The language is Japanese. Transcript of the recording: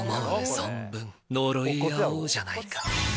存分呪い合おうじゃないか。